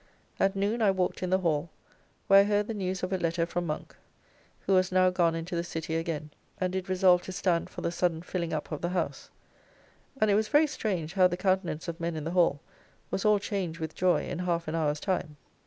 At noon I walked in the Hall, where I heard the news of a letter from Monk, who was now gone into the City again, and did resolve to stand for the sudden filling up of the House, and it was very strange how the countenance of men in the Hall was all changed with joy in half an hour's time.